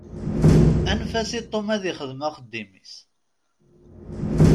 Anef-as i Tom ad ixdem axeddim-is.